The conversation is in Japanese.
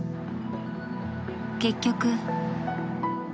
［結局］